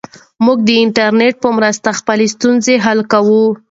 موږ د انټرنیټ په مرسته خپلې ستونزې حل کوو.